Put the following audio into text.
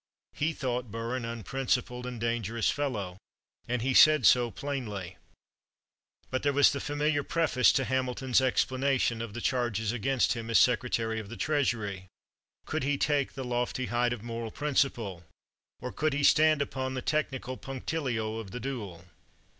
He thought Burr an unprincipled and dangerous fellow, and he said so plainly. But there was the familiar preface to Hamilton's explanation of the charges against him as Secretary of the Treasury. Could he take the lofty height of moral principle? Or could he stand upon the technical punctilio of the duel?